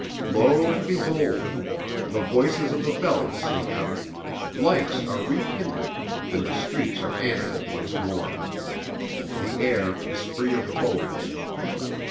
Lo and behold! The voices of the bells sing out, lights are rekindled and the streets are animate once more. The air is free of foes.